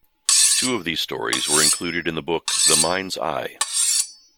Two of these stories were included in the book The Mind's I.